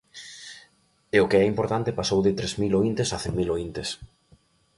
E o que é importante, pasou de tres mil oíntes a cen mil oíntes.